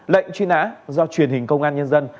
lệnh truy nã do truyền hình công an nhân dân